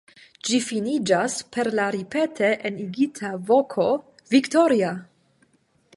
Ĝi finiĝas per la ripete enigita voko „Viktoria!“.